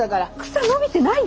草伸びてないですよ。